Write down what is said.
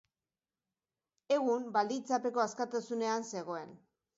Egun, baldintzapeko askatasunean zegoen.